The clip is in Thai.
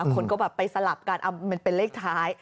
คนก็ไปสลับการเอามันเป็นเลขท้าย